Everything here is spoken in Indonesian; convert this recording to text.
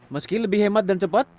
meski lebih hemat dan cepat